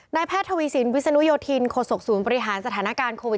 แพทย์ทวีสินวิศนุโยธินโคศกศูนย์บริหารสถานการณ์โควิด